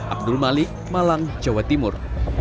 abdul malik malang jawa timur